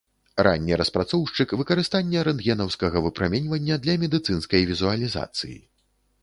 Ранні распрацоўшчык выкарыстання рэнтгенаўскага выпраменьвання для медыцынскай візуалізацыі.